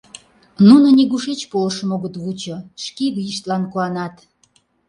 Нуно нигушеч полышым огыт вучо, шке вийыштлан куанат.